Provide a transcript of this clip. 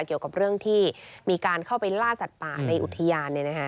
เกี่ยวกับเรื่องที่มีการเข้าไปล่าสัตว์ป่าในอุทยาน